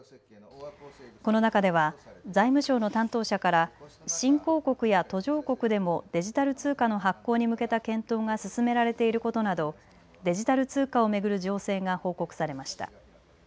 この中では財務省の担当者から新興国や途上国でもデジタル通貨の発行に向けた検討が進められていることなどデジタル通貨を巡る情勢が報告されました。